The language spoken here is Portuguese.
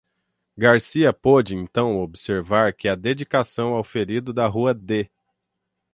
Garcia pôde então observar que a dedicação ao ferido da rua D.